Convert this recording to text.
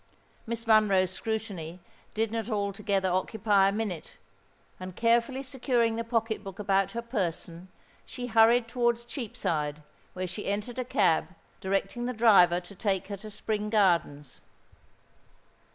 Miss Monroe's scrutiny did not altogether occupy a minute; and, carefully securing the pocket book about her person, she hurried towards Cheapside, where she entered a cab, directing the driver to take her to Spring Gardens.